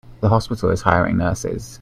The hospital is hiring nurses.